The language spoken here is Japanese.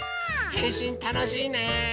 へんしんたのしいね！